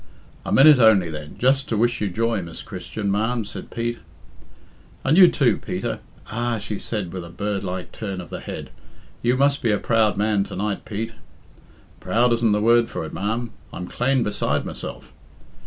"A minute only, then just to wish you joy, Miss Christian, ma'am," said Pete. "And you, too, Peter. Ah!" she said, with a bird like turn of the head, "you must be a proud man to night, Pete." "Proud isn't the word for it, ma'am I'm clane beside myself."